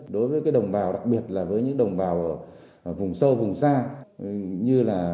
đối với đồng bào đặc biệt là với những đồng bào ở vùng sâu vùng xa